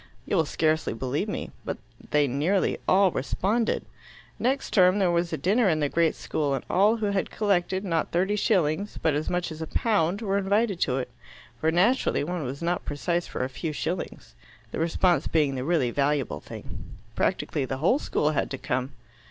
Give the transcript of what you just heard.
You will scarcely believe me, but they nearly all responded. Next term there was a dinner in the great school, and all who had collected, not thirty shillings, but as much as a pound, were invited to it for naturally one was not precise for a few shillings, the response being the really valuable thing. Practically the whole school had to come."